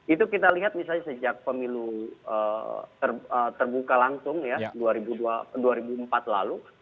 itu kita lihat misalnya sejak pemilu terbuka langsung ya dua ribu empat lalu